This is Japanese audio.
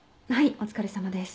お疲れさまです。